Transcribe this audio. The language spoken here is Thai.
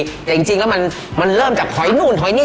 แต่จริงจริงก็มันมันเริ่มจากหอยนู่นหอยนี่